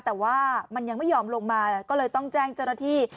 แต่ว่ามันยังไม่ยอมลงมาก็เลยต้องแจ้งเจ้าหน้าที่